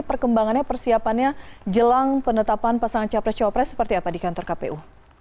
perkembangannya persiapannya jelang penetapan pasangan capres copres seperti apa di kantor kpu